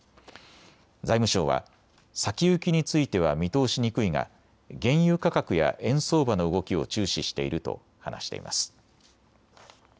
財務省は先行きについては見通しにくいが原油価格や円相場の動きを注視していると話しています。